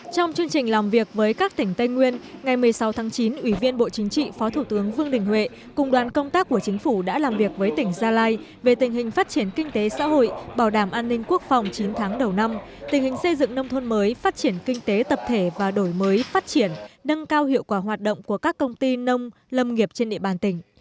trong chương trình làm việc với các tỉnh tây nguyên ngày một mươi sáu tháng chín ủy viên bộ chính trị phó thủ tướng vương đình huệ cùng đoàn công tác của chính phủ đã làm việc với tỉnh gia lai về tình hình phát triển kinh tế xã hội bảo đảm an ninh quốc phòng chín tháng đầu năm tình hình xây dựng nông thôn mới phát triển kinh tế tập thể và đổi mới phát triển nâng cao hiệu quả hoạt động của các công ty nông lâm nghiệp trên địa bàn tỉnh